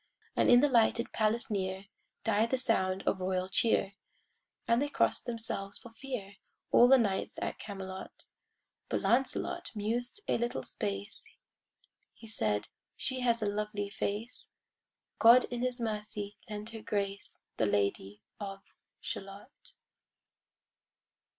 And in the lighted palace near Died the sound of royal cheer; And they cross'd themselves for fear, All the knights at Camelot: But Lancelot mused a little space; He said, "She has a lovely face; God in His mercy lend her grace, The Lady of Shalott."